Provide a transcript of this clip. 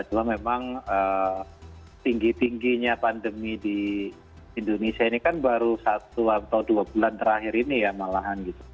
adalah memang tinggi tingginya pandemi di indonesia ini kan baru satu atau dua bulan terakhir ini ya malahan gitu